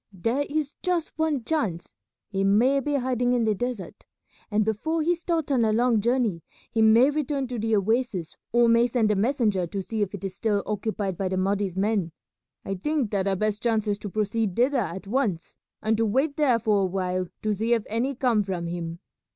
There is just one chance, he may be hiding in the desert, and before he starts on a long journey he may return to the oasis or may send a messenger to see if it is still occupied by the Mahdi's men. I think that our best chance is to proceed thither at once, and to wait there for a while to see if any come from him.